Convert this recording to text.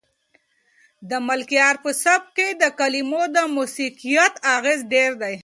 د ملکیار په سبک کې د کلمو د موسیقیت اغېز ډېر دی.